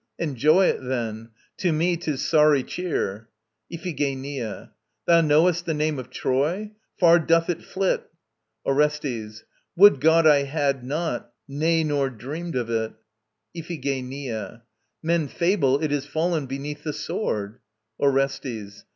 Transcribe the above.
Enjoy it, then. To me 'tis sorry cheer. IPHIGENIA. Thou knowest the name of Troy? Far doth it flit. ORESTES. Would God I had not; nay, nor dreamed of it. IPHIGENIA. Men fable it is fallen beneath the sword? ORESTES.